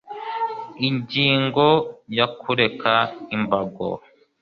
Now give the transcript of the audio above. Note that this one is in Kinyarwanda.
Ingingo ya Kureka imbago